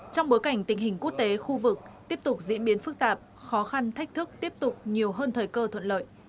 trong bối cảnh tình hình quốc tế khu vực tiếp tục diễn biến phức tạp khó khăn thách thức tiếp tục nhiều hơn thời cơ thuận lợi